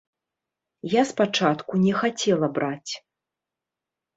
Я спачатку не хацела браць.